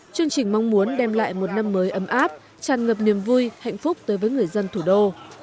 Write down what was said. chương trình mong muốn đem lại một năm mới ấm áp tràn ngập niềm vui hạnh phúc tới với người dân thủ đô